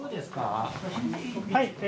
はい。